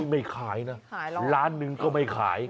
ไม่ขายนะล้านหนึ่งก็ไม่ขาย